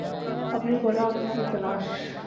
اپنی خوراک کی تلاش